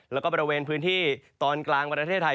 แล้วก็บริเวณพื้นที่ตอนกลางประเทศไทย